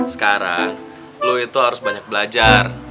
sekarang lo itu harus banyak belajar